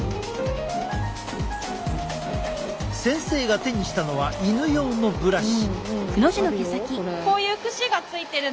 先生が手にしたのは犬用のブラシ。